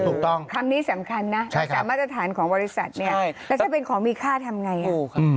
ถูกต้องคำนี้สำคัญนะตามมาตรฐานของบริษัทเนี่ยแล้วถ้าเป็นของมีค่าทำไง